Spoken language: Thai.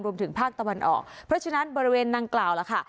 รวมถึงภาคตะวันออกเพราะฉะนั้นบริเวณนางกล่าวล่ะค่ะ